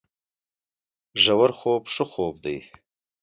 ژورخوب ښه خوب دی